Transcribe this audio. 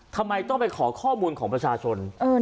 ทำไมต้องไปขอข้อมูลของประชาชน